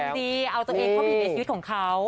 ทำดีเอาตัวเองเข้าไปในชีวิตของเขา